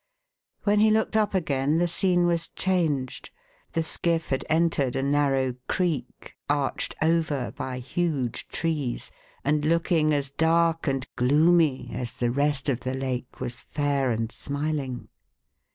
When he looked up again the scene was changed. The skiff had entered a narrow creek, arched over by huge trees, and looking as dark and gloomy as the rest of the lake was fair and smiling.